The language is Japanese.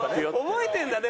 覚えてるんだね